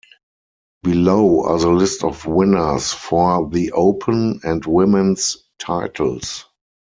Below are the list of winners for the Open and Women's titles.